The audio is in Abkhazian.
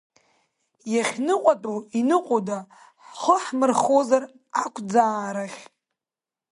Иахьныҟәатәу иныҟәода, ҳхы ҳмырхозар ақәӡаарахь?